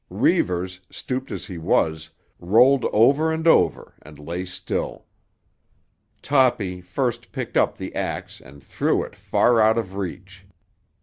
Reivers, stooped as he was, rolled over and over and lay still. Toppy first picked up the axe and threw it far out of reach.